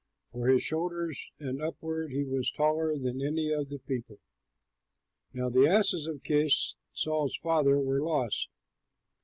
From his shoulders and upward he was taller than any of the people. Now the asses of Kish, Saul's father, were lost.